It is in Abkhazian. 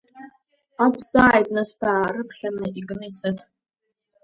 Акәзааит, нас, баарыԥхьаны икны исыҭ!